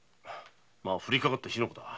ふりかかった火の粉だ